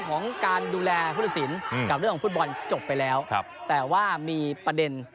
โอโหตรงนี้ปัญหาเกิด